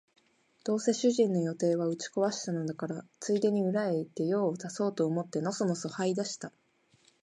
どうせ主人の予定は打ち壊したのだから、ついでに裏へ行って用を足そうと思ってのそのそ這い出した